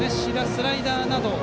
スライダーなど。